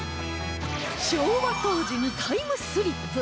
昭和当時にタイムスリップ！